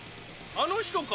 あの人か？